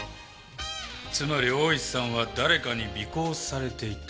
つまり大石さんは誰かに尾行されていた。